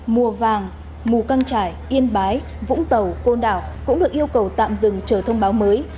mùa vàng mù căng trải yên bái vũng tàu côn đảo cũng được yêu cầu tạm dừng chờ thông báo mới